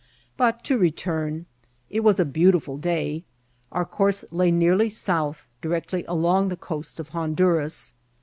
But to return. It was a beautifrd day. Our course lay nearly south, directly along the coast of Honduras.